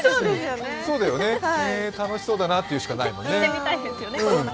へえー、楽しそうだなって言うしかないもんね。